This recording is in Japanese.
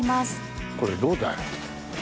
これどうだい？